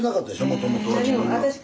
もともとは。